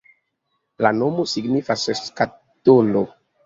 La nomo signifas skatolo.